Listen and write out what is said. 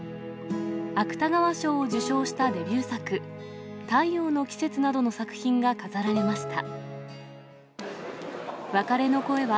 芥川賞を受賞したデビュー作、太陽の季節などの作品が飾られました。